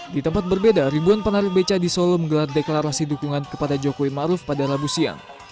di tempat berbeda ribuan penarik beca di solo menggelar deklarasi dukungan kepada jokowi ⁇ maruf ⁇ pada rabu siang